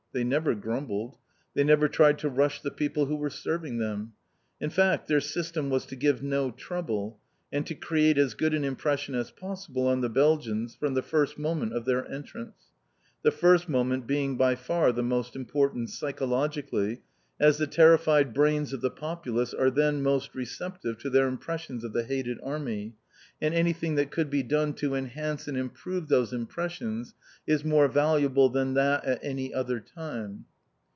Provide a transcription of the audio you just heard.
They never grumbled. They never tried to rush the people who were serving them. In fact, their system was to give no trouble, and to create as good an impression as possible on the Belgians from the first moment of their entrance the first moment being by far the most important psychologically, as the terrified brains of the populace are then most receptive to their impressions of the hated army, and anything that could be done to enhance and improve those impressions is more valuable then than at any other time.